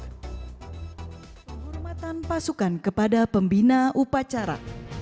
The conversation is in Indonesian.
penghormatan pasukan kepada pembina upacara